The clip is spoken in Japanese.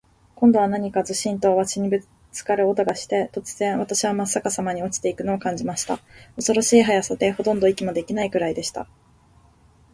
今度は何かズシンと鷲にぶっつかる音がして、突然、私はまっ逆さまに落ちて行くのを感じました。恐ろしい速さで、ほとんど息もできないくらいでした。